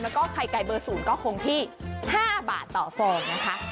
แล้วก็ไข่ไก่เบอร์๐ก็คงที่๕บาทต่อฟองนะคะ